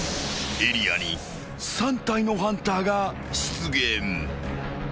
［エリアに３体のハンターが出現］